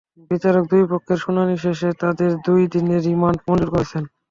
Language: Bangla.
বিচারক দুই পক্ষের শুনানি শেষে তাঁদের দুই দিনের রিমান্ড মঞ্জুর করেছেন।